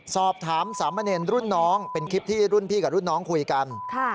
สอบถามสามเณรรุ่นน้องเป็นคลิปที่รุ่นพี่กับรุ่นน้องคุยกัน